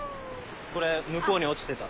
これ向こうに落ちてた。